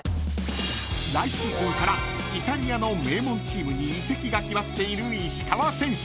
［来シーズンからイタリアの名門チームに移籍が決まっている石川選手］